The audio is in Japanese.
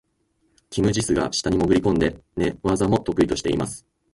キム・ジスが下に潜り込んで、寝技も得意としています。